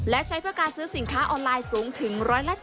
และใช้เพื่อการซื้อสินค้าออนไลน์สูงถึง๑๗๐